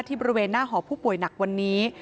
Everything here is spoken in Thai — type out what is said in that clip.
บริเวณหน้าหอผู้ป่วยหนักวันนี้